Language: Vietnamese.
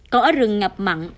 còn ở rừng ngập mặn